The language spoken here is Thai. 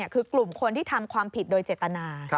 คือกลุ่มคนที่ทำความผิดโดยเจตนา